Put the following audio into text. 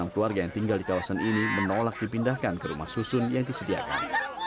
tiga ratus sembilan puluh enam keluarga yang tinggal di kawasan ini menolak dipindahkan ke rumah susun yang disediakan